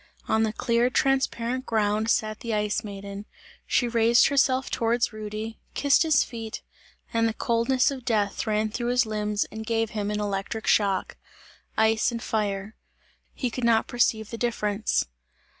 On the clear transparent ground sat the Ice Maiden; she raised herself towards Rudy, kissed his feet, and the coldness of death ran through his limbs and gave him an electric shock ice and fire. He could not perceive the difference.